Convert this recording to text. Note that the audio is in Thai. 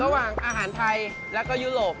ระหว่างอาหารไทยแล้วก็ยุโรป